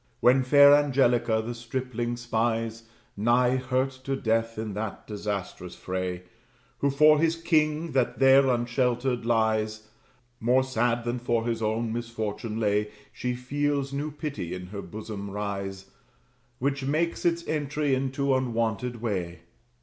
When fair Angelica the stripling spies, Nigh hurt to death in that disastrous fray, Who for his king, that there unsheltered lies, More sad than for his own misfortune lay, She feels new pity in her bosom rise, Which makes its entry in unwonted way.